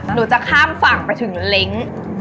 หนูจะข้ามฝั่งไปถึงเล้ง